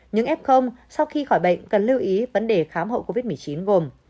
những f sau khi khỏi bệnh cần lưu ý vấn đề khám hậu covid một mươi chín gồm